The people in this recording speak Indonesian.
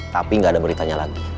tapi gak ada murid tanya lagi